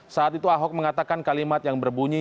saat itu ahok mengatakan kalimat yang berbunyi